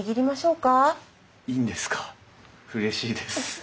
うれしいです。